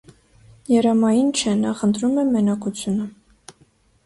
Երամային չէ, նախընտրում է մենակությունը։